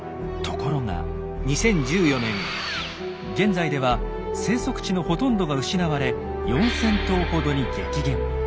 ところが現在では生息地のほとんどが失われ４，０００頭ほどに激減。